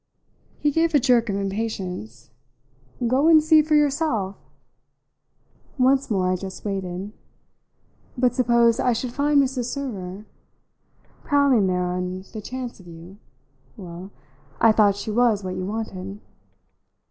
He gave a jerk of impatience. "Go and see for yourself!" Once more I just waited. "But suppose I should find Mrs. Server ?" "Prowling there on the chance of you? Well I thought she was what you wanted."